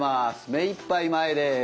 目いっぱい前です。